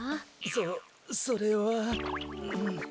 そそれは。